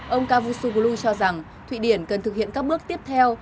ông cavusoglu cho rằng thụy điển cần thực hiện các bước tiếp theo